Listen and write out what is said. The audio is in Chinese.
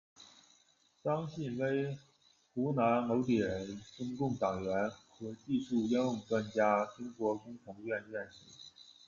张信威，湖南娄底人，中共党员，核技术应用专家，中国工程院院士。